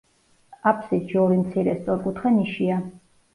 აბსიდში ორი მცირე სწორკუთხა ნიშია.